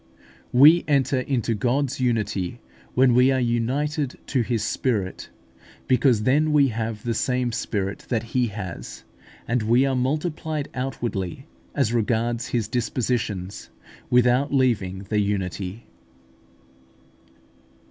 We enter into God's unity when we are united to His Spirit, because then we have the same Spirit that He has; and we are multiplied outwardly, as regards His dispositions, without leaving the unity.